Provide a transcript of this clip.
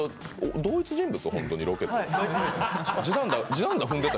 同一人物、本当にロケと？